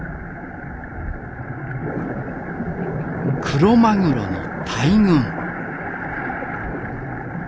クロマグロの大群。